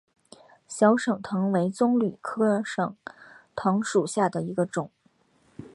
小省藤为棕榈科省藤属下的一个种。